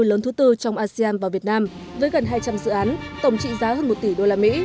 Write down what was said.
lớn thứ tư trong asean và việt nam với gần hai trăm linh dự án tổng trị giá hơn một tỷ usd